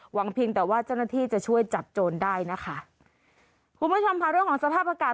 เพียงแต่ว่าเจ้าหน้าที่จะช่วยจับโจรได้นะคะคุณผู้ชมค่ะเรื่องของสภาพอากาศ